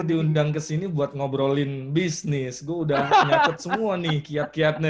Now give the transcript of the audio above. diundang ke sini buat ngobrolin bisnis gue udah nyatat semua nih kiat kiatnya